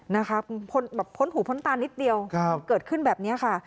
นะคะพ้นแบบพ้นหูพ้นตานิดเดียวเกิดขึ้นแบบนี้ค่ะ